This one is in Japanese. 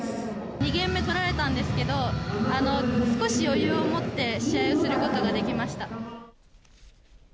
２ゲーム目取られたんですけど、少し余裕を持って試合をすることができました。